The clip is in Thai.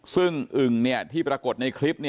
ซึ่งอึ่งที่ปรากฏในคลิป